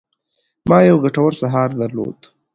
ما یو ګټور سهار درلود.